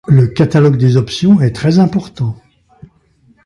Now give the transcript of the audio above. Le catalogue des options est très important.